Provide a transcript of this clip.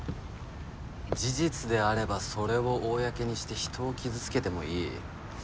事実であればそれを公にして人を傷つけてもいい。